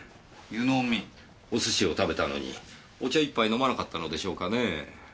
お寿司を食べたのにお茶１杯飲まなかったのでしょうかねぇ。